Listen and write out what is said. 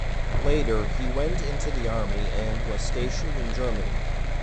Later, he went into the army and was stationed in Germany.